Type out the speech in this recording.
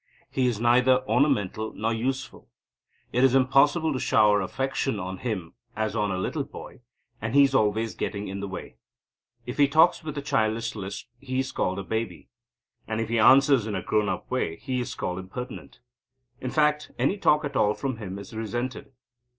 He is neither ornamental, nor useful. It is impossible to shower affection on him as on a little boy; and he is always getting in the way. If he talks with a childish lisp he is called a baby, and if he answers in a grown up way he is called impertinent. In fact any talk at all from him is resented.